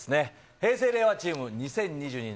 平成・令和チーム、２０２２年